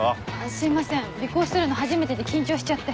すいません尾行するの初めてで緊張しちゃって。